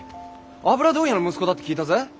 油問屋の息子だって聞いたぜ。